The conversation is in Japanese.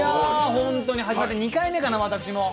本当に初めて、２回目かな、私も。